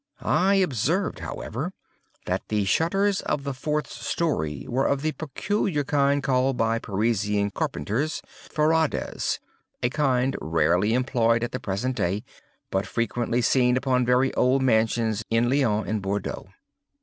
I observed, however, that the shutters of the fourth story were of the peculiar kind called by Parisian carpenters ferrades—a kind rarely employed at the present day, but frequently seen upon very old mansions at Lyons and Bordeaux.